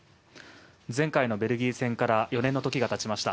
前回のベルギー戦から４年の時がたちました。